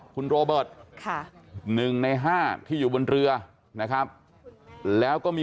คุณโรเบิร์ตค่ะ๑ใน๕ที่อยู่บนเรือนะครับแล้วก็มี